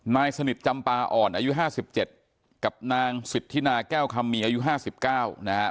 นายสนิทจำปาอ่อนอายุ๕๗กับนางสิทธินาแก้วคำมีอายุ๕๙นะฮะ